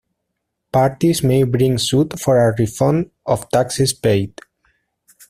Parties may bring suit for a refund of taxes paid.